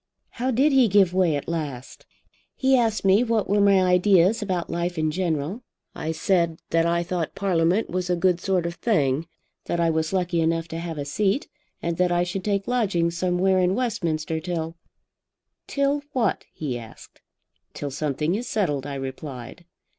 "How did he give way at last?" "He asked me what were my ideas about life in general. I said that I thought Parliament was a good sort of thing, that I was lucky enough to have a seat, and that I should take lodgings somewhere in Westminster till . 'Till what?' he asked. 'Till something is settled,' I replied.